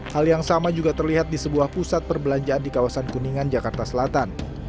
hal yang sama juga terlihat di sebuah pusat perbelanjaan di kawasan kuningan jakarta selatan